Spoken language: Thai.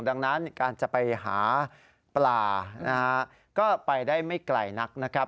ดังนั้นการจะไปหาปลานะฮะก็ไปได้ไม่ไกลนักนะครับ